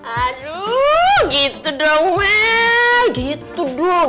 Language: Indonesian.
aduh gitu dong weh gitu dong